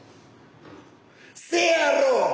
せやろ！